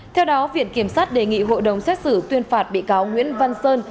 theo đó viện kiểm sát đề nghị hội đồng xét xử tuyên phạt bị cáo nguyễn văn sơn